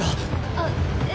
あっええ。